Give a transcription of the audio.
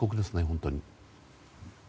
本当に。